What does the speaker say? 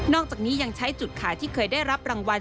อกจากนี้ยังใช้จุดขายที่เคยได้รับรางวัล